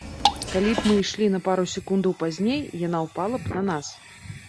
Калі б мы ішлі на пару секундаў пазней, яна ўпала б на нас!